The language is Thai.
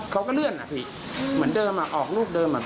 เขาก็เลื่อนอ่ะพี่เหมือนเดิมอ่ะออกรูปเดิมแบบ